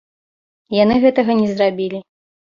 Яны гэтага не зрабілі.